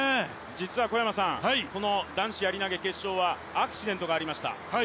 実は、男子やり投げ決勝はアクシデントがありました。